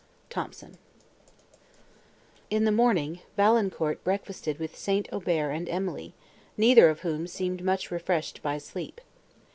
THOMSON In the morning, Valancourt breakfasted with St. Aubert and Emily, neither of whom seemed much refreshed by sleep.